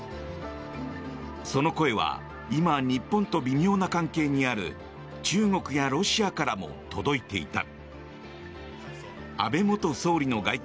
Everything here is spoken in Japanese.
その声は今、日本と微妙な関係にある中国やロシアからも届いていた。